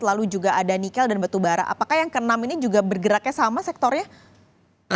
lalu juga ada nikel dan batu bara apakah yang ke enam ini juga bergeraknya sama sektornya